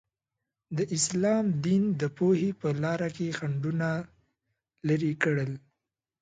د اسلام دین د پوهې په لاره کې خنډونه لرې کړل.